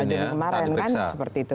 jumat yang kemarin kan seperti itu